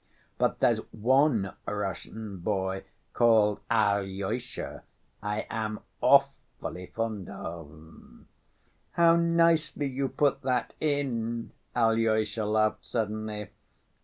But there's one Russian boy called Alyosha I am awfully fond of." "How nicely you put that in!" Alyosha laughed suddenly.